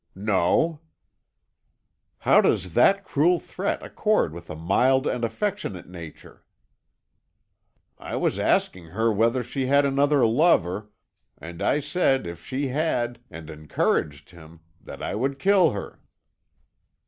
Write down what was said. "No." "How does that cruel threat accord with a mild and affectionate nature?" "I was asking her whether she had another lover, and I said if she had, and encouraged him, that I would kill her."